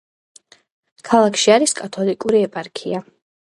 ქალაქში არის კათოლიკური ეპარქია.